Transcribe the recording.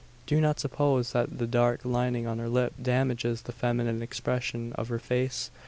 Do not suppose that the dark lining on her lip damages the feminine expression of her face.